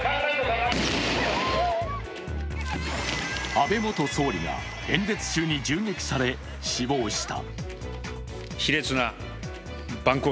安倍元総理が演説中に銃撃され、死亡した。